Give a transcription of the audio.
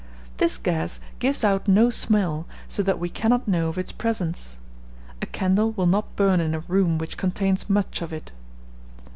This gas gives out no smell, so that we cannot know of its presence. A candle will not burn in a room which contains much of it.